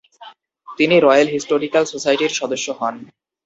তিনি royal historical সোসাইটির সদস্য হন।